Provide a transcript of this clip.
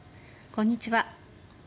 こんにちは。